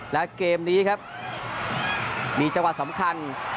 และเกมนี้ครับมีจังหวะสำคัญ